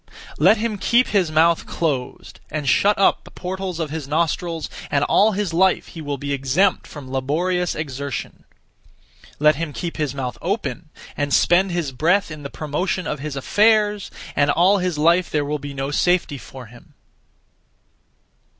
Let him keep his mouth closed, and shut up the portals (of his nostrils), and all his life he will be exempt from laborious exertion. Let him keep his mouth open, and (spend his breath) in the promotion of his affairs, and all his life there will be no safety for him.